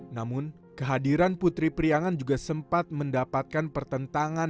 namun kehadiran putri priangan juga sempat mendapatkan pertentangan